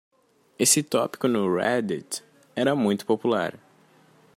Esse tópico no Reddit era muito popular.